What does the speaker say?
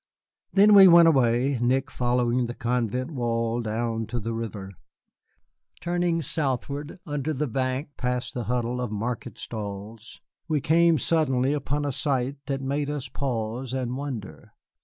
Then we went away, Nick following the convent wall down to the river. Turning southward under the bank past the huddle of market stalls, we came suddenly upon a sight that made us pause and wonder.